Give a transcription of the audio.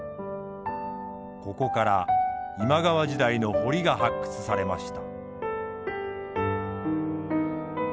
ここから今川時代の堀が発掘されました。